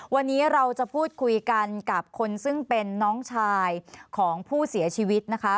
วันนี้เราจะพูดคุยกันกับคนซึ่งเป็นน้องชายของผู้เสียชีวิตนะคะ